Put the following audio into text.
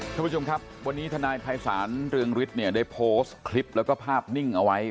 ท่านผู้ชมครับวันนี้ทนายภัยศาลเรืองฤทธิ์เนี่ยได้โพสต์คลิปแล้วก็ภาพนิ่งเอาไว้